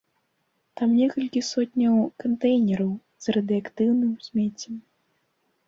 Там некалькі сотняў кантэйнераў з радыеактыўным смеццем.